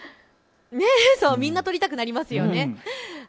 みんな撮りたくなりますよね。